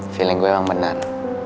feeling gue emang benar